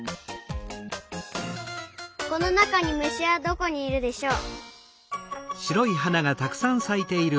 このなかにむしはどこにいるでしょう？